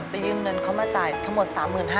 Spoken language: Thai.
ยืมเงินเขามาจ่ายทั้งหมด๓๕๐๐